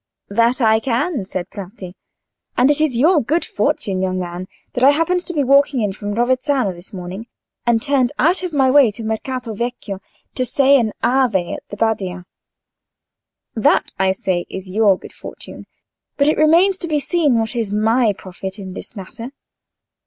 "That I can," said Bratti, "and it is your good fortune, young man, that I have happened to be walking in from Rovezzano this morning, and turned out of my way to Mercato Vecchio to say an Ave at the Badia. That, I say, is your good fortune. But it remains to be seen what is my profit in the matter.